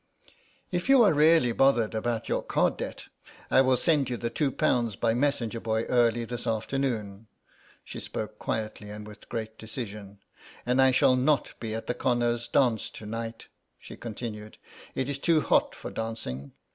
"If you are really bothered about your card debt I will send you the two pounds by messenger boy early this afternoon." She spoke quietly and with great decision. "And I shall not be at the Connor's dance to night," she continued; "it's too hot for dancing.